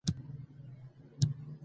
زه د ښه راتلونکي له پاره پلان لرم.